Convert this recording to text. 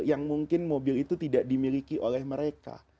yang mungkin mobil itu tidak dimiliki oleh mereka